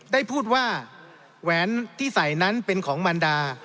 ได้พูดว่าแหวนที่ใส่นั้นเป็นของมันดา